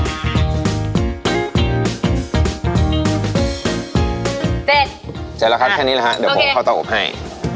เสร็จแล้วครับแค่นี้แหละฮะเดี๋ยวผมเข้าเตาอบให้